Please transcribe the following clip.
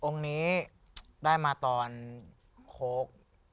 องค์นี้ได้มาตอนโค้ก